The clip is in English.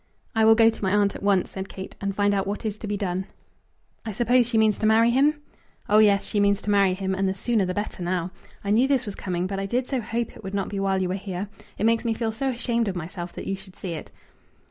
"I will go to my aunt at once," said Kate, "and find out what is to be done." "I suppose she means to marry him?" "Oh, yes; she means to marry him, and the sooner the better now. I knew this was coming, but I did so hope it would not be while you were here. It makes me feel so ashamed of myself that you should see it."